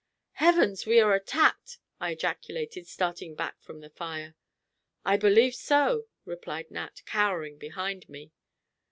"Heavens! are we attacked!" I ejaculated, starting back from the fire. "I believe so," replied Nat, cowering behind me.